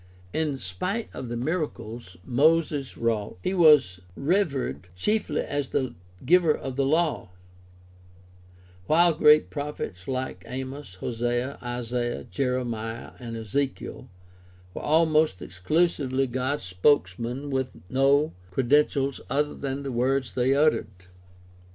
In spite of the miracles Moses wrought, he was revered chiefly as the giver of the Law; while great prophets Hke Amos, Hosea, Isaiah, Jeremiah, and Ezekiel were almost exclusively God's spokesmen with no credentials other than the words they uttered.